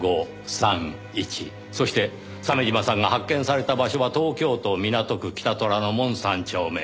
そして鮫島さんが発見された場所は東京都港区北虎ノ門３丁目。